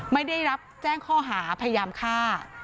ไม่ได้รับแจ้งข้อหาพยายามฆ่า